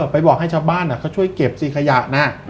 ไปบอกให้ชาวบ้านเขาช่วยเก็บสิขยะนะ